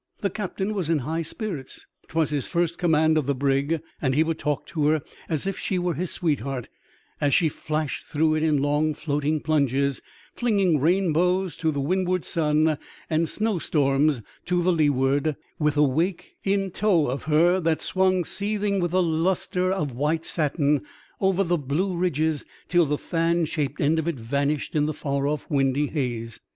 The captain was in high spirits ; 'twas his first command of the brig, and he would talk to her as if she were his sweetheart, as she flashed through it in long floating plunges, flinging rainbows to the windward sun and snowstorms to leeward, with a THIRST J AN OCEAN INCIDENT. 45 ■ wake in to^ of her that swung seething with the lastre of white satin oyer the blue ridges till the fan shaped end of it vanished in the far off windy haze.